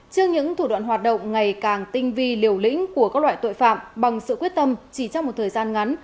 trước những thủ đoạn hoạt động ngày càng tinh vi liều lĩnh của các loại tội phạm bằng sự quyết tâm chỉ trong một thời gian ngắn